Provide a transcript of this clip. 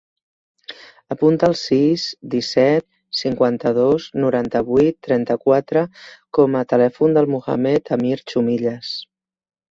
Apunta el sis, disset, cinquanta-dos, noranta-vuit, trenta-quatre com a telèfon del Mohamed amir Chumillas.